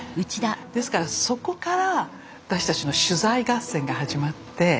ですからそこから私たちの取材合戦が始まって。